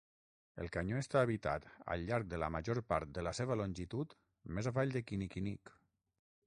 El canyó està habitat al llarg de la major part de la seva longitud més avall de Kinikinik.